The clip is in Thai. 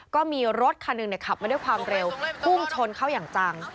ก็มีรถคันหนึ่งขับมาด้วยความเร็วพุ่งชนเข้าอย่างจัง